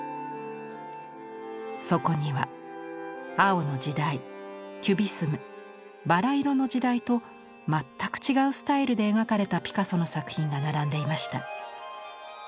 そこには青の時代キュビスム薔薇色の時代と全く違うスタイルで描かれたピカソの作品が並んでいました。